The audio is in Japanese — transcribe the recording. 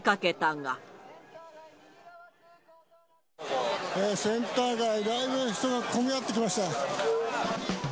もうセンター街、だいぶ人が混み合ってきました。